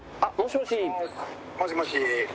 「もしもし」